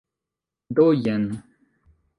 Do jen.